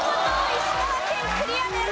石川県クリアです！